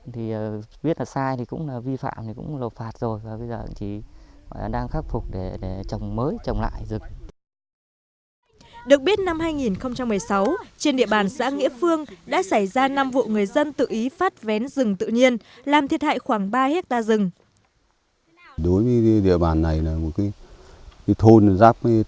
được biết năm hai nghìn một mươi sáu trên địa bàn xã nghĩa phương đã xảy ra năm vụ người dân tự ý phát vén rừng tự nhiên làm thiệt hại khoảng ba hectare rừng